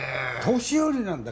年寄りなんだ